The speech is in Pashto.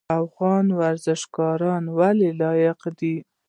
افغان ورزشکاران ولې لایق دي؟